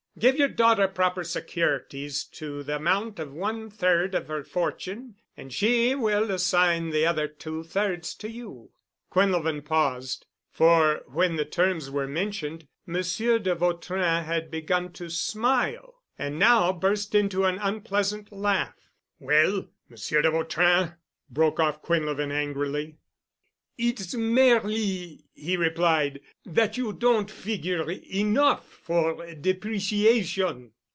Give yer daughter proper securities to the amount of one third of her fortune and she will assign the other two thirds to you——" Quinlevin paused, for when the terms were mentioned Monsieur de Vautrin had begun to smile and now burst into an unpleasant laugh. "Well, Monsieur de Vautrin," broke off Quinlevin angrily. "It's merely," he replied, "that you don't figure enough for depreciation."